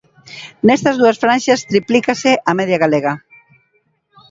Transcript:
Nestas dúas franxas triplícase a media galega.